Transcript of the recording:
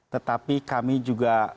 tetapi kami juga